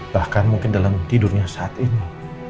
bahkan mungkin dalam tidurnya saat ini